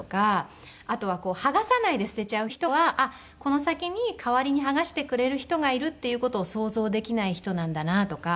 あとは剥がさないで捨てちゃう人はあっこの先に代わりに剥がしてくれる人がいるっていう事を想像できない人なんだなとか。